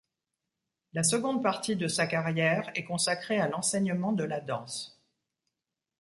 La seconde partie de sa carrière est consacrée à l'enseignement de la danse.